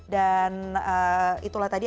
dan itulah tadi